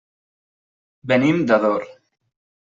Venim d'Ador.